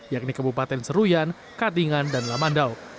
yakni kabupaten seruyan kadingan dan lamandau